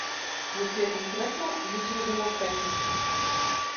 Якія канкрэтна, будзе вядома ў пятніцу.